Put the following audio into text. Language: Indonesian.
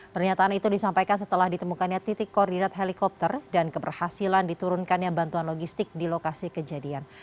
pernyataan itu disampaikan setelah ditemukannya titik koordinat helikopter dan keberhasilan diturunkannya bantuan logistik di lokasi kejadian